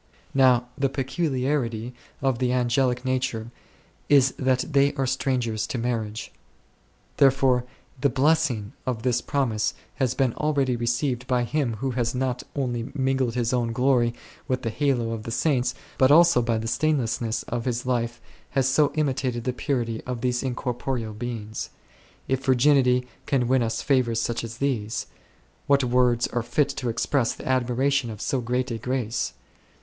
Now the peculiarity of the angelic nature is that they are strangers to marriage ; therefore the blessing of this promise has been already received by him who has not only mingled his own glory with the halo of the Saints, but also by the stainlessness of his life has so imitated the purity of these incorporeal beings. If virginity then can win us favours such as these, what words are fit to express the admiration of so great a grace?